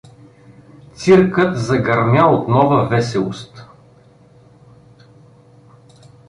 Циркът загърмя от нова веселост.